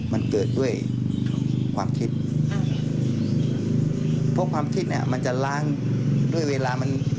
มันเกิดด้วยความคิดเพราะความคิดเนี้ยมันจะล้างด้วยเวลามัน